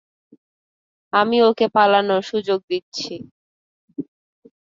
আমি ওকে পালানোর সুযোগ দিচ্ছি।